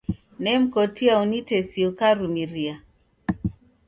Nemkotia unitesie ukarumiria.